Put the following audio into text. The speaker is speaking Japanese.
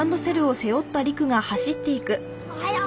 おはよう。